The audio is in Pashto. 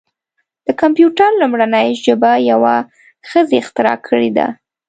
د کمپیوټر لومړنۍ ژبه یوه ښځې اختراع کړې ده.